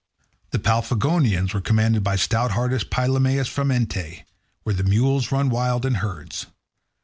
The Paphlagonians were commanded by stout hearted Pylaemanes from Enetae, where the mules run wild in herds.